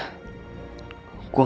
gue gak boleh mati